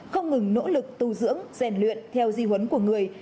không ngừng nỗ lực tu dưỡng rèn luyện theo di huấn của người